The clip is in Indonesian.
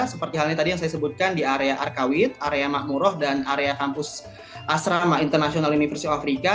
seperti hal ini tadi yang saya sebutkan di area arkawit area makmuroh dan area kampus asrama international university of africa